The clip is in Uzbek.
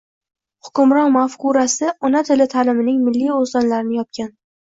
“Hukmron mafkura”si ona tili taʼlimining milliy oʻzanlarini yopgan